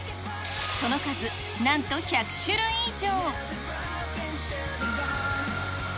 その数なんと１００種類以上。